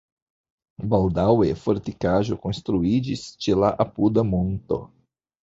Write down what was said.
Baldaŭe fortikaĵo konstruiĝis ĉe la apuda monto.